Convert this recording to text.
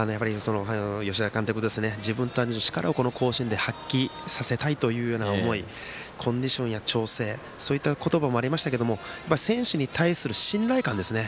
吉田監督、自分たちの力を甲子園で発揮させたいという思いコンディションや調整そういった言葉もありましたけど選手に対する信頼感ですね